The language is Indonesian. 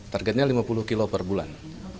targetnya lima puluh kilo per bulan